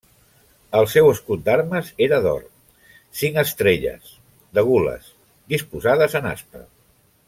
El seu escut d'armes era d'or, cinc estrelles, de gules, disposades en aspa.